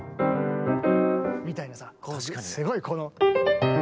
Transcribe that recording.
みたいなさすごいこの。